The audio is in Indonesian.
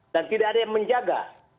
dan tidak ada yang menjaga